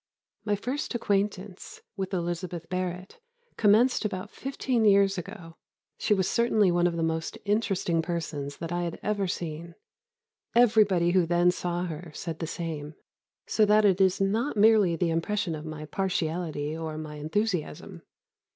] "My first acquaintance with Elizabeth Barrett commenced about fifteen years ago. She was certainly one of the most interesting persons that I had ever seen. Everybody who then saw her said the same; so that it is not merely the impression of my partiality, or my enthusiasm.